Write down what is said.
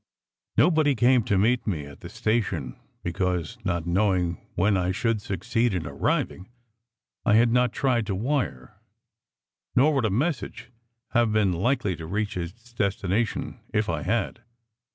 Nobody came to meet me at the station, because, not knowing when I should succeed in arriving, I had not tried SECRET HISTORY to wire; nor would a message have been likely to reach its destination if I had.